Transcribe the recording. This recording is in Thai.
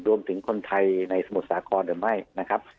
รวมถึงคนไทยในสมุทรสาครหรือไม่นะครับ